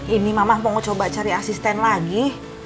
ini mama mau coba cari asisten lagi